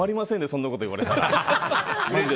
そんなこと言われたら。